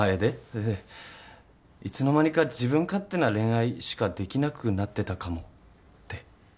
それでいつの間にか自分勝手な恋愛しかできなくなってたかもって。